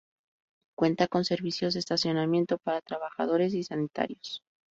Cuenta con servicios de estacionamiento para trabajadores y sanitarios.